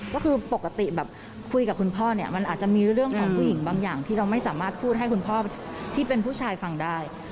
ก็คือปกติแบบคุยกับคุณพ่อเนี่ยมันอาจจะมีเรื่องของผู้หญิงบางอย่างที่เราไม่สามารถพูดให้คุณพ่อที่เป็นผู้ชายฟังได้